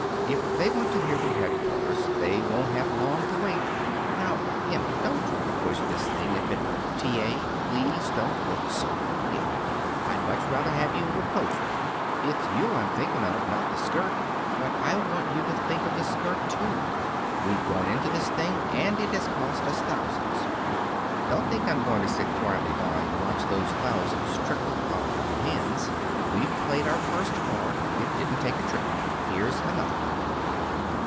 "If they want to hear from headquarters, they won't have long to wait." "Now, Emma, don't try to push this thing if it " "T. A., please don't look so forgiving. I'd much rather have you reproach me." "It's you I'm thinking of, not the skirt." "But I want you to think of the skirt, too. We've gone into this thing, and it has cost us thousands. Don't think I'm going to sit quietly by and watch those thousands trickle out of our hands. We've played our first card. It didn't take a trick. Here's another."